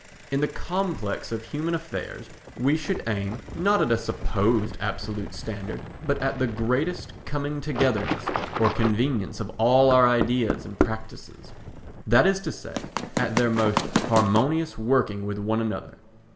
In the complex of human affairs we should aim not at a supposed absolute standard but at the greatest coming together ness or convenience of all our ideas and practices; that is to say, at their most harmonious working with one another.